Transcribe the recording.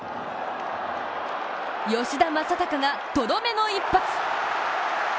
吉田正尚がとどめの一発。